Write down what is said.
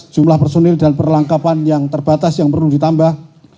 jumlah personil dan perlengkapan yang terbatas yang perlu ditambah